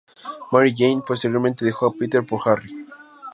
Mary Jane posteriormente dejó a Peter por Harry.